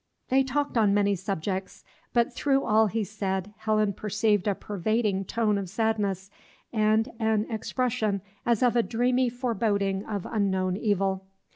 They talked on many subjects, but through all he said Helen perceived a pervading tone of sadness, and an expression as of a dreamy foreboding of unknown evil.